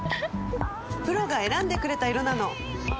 プロが選んでくれた色なの！